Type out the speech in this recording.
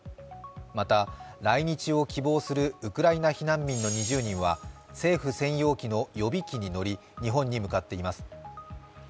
また、来日を希望するウクライナ避難民の２０人は政府専用機の予備機に乗り、日本へ向かっています。